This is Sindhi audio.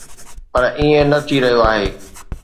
پر ائين نه ٿي رهيو آهي.